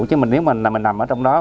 thế chứ mình nếu mà mình nằm ở trong đó